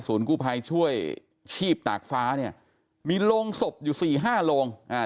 ศูนย์กู้ไพช่วยฉีบตากฟ้าเนี้ยมีโลงศพอยู่สี่ห้าโลงอ่า